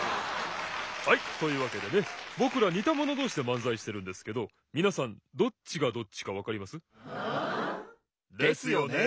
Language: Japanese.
はいというわけでねぼくらにたものどうしでまんざいしてるんですけどみなさんどっちがどっちかわかります？ですよね？